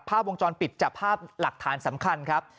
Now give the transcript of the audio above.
ภาพวงจรปิดจับภาพหลักฐานสำคัญครับ